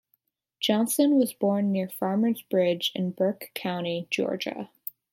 Johnson was born near Farmer's Bridge in Burke County, Georgia.